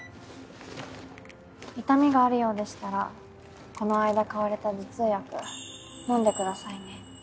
痛みがあるようでしたらこの間買われた頭痛薬飲んでくださいね。